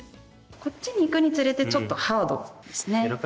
こっちにいくにつれて、ちょっとハードですね。